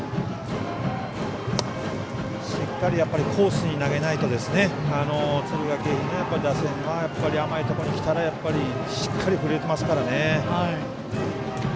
しっかりコースに投げないと敦賀気比の打線は甘いところにきたらしっかり振れてますからね。